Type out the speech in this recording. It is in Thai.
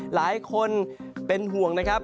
หลายคนเป็นห่วงนะครับ